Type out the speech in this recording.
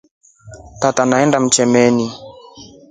Tata nyaenda mtemani.